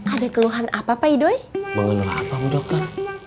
assalamualaikum bu dokter